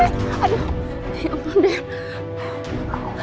ya allah deh